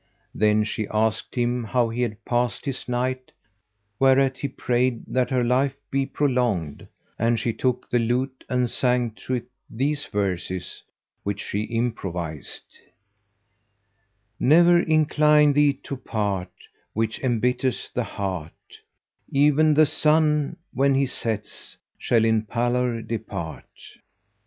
Then she asked him how he had passed his night, whereat he prayed that her life be prolonged; and she took the lute and sang to it these verses which she improvised, "Ne'er incline thee to part * Which embitters the heart; E'en the sun when he sets * Shall in pallor depart."